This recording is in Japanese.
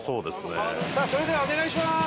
それではお願いします。